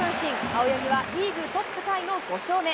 青柳はリーグトップタイの５勝目。